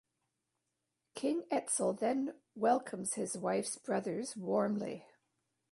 King Etzel then welcomes his wife's brothers warmly.